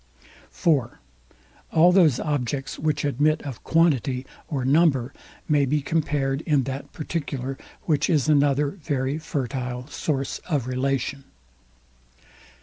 (4) All those objects, which admit of QUANTITY, or NUMBER, may be compared in that particular; which is another very fertile source of relation.